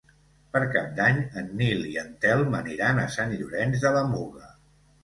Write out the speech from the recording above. Per Cap d'Any en Nil i en Telm aniran a Sant Llorenç de la Muga.